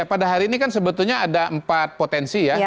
pada hari ini kan sebetulnya ada empat potensi ya